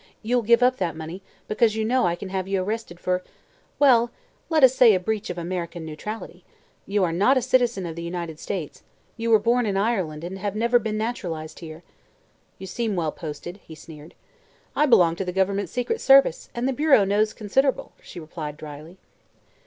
"You'll give up that money because you know I can have you arrested for well, let us say a breach of American neutrality. You are not a citizen of the United States. You were born in Ireland and have never been naturalized here." "You seem well posted," he sneered. "I belong to the Government Secret Service, and the Bureau knows considerable," she replied dryly.